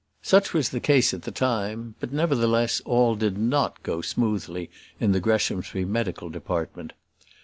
Such was the case at the time; but, nevertheless, all did not go smoothly in the Greshamsbury medical department.